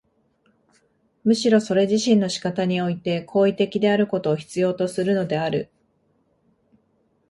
むしろそれ自身の仕方において行為的であることを必要とするのである。